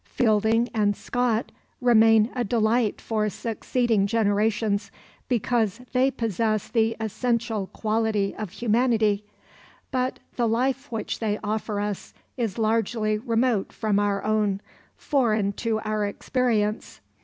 Fielding and Scott remain a delight for succeeding generations, because they possess the essential quality of humanity, but the life which they offer us is largely remote from our own, foreign to our experience.